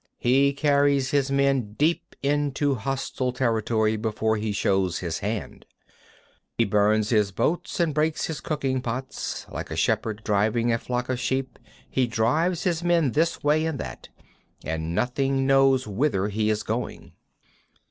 He carries his men deep into hostile territory before he shows his hand. 39. He burns his boats and breaks his cooking pots; like a shepherd driving a flock of sheep, he drives his men this way and that, and none knows whither he is going.